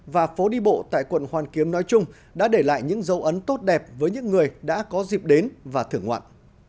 và phố đi bộ tại quận hoàn kiếm nói chung đã để lại những dấu ấn tốt đẹp với những người đã có dịp đến và thưởng ngoạn